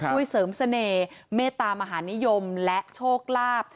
ช่วยเสริมเสน่ห์เมตตามหานิยมและโชคลาภ